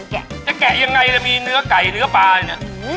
จะแกะยังไงมีเนื้อไก่เนื้อปลาเนี่ย